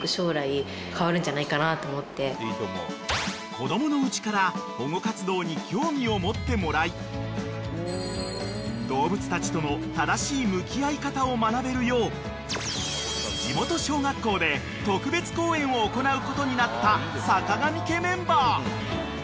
［子供のうちから保護活動に興味を持ってもらい動物たちとの正しい向き合い方を学べるよう地元小学校で特別講演を行うことになったさかがみ家メンバー］